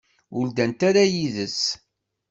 Ur ddant ara yid-s.